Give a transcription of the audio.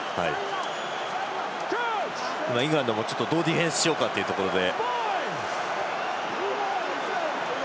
イングランドもどうディフェンスしようかというので。